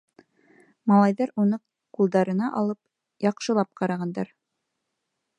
Малайҙар уны ҡулдарына алып, яҡшылап ҡарағандар.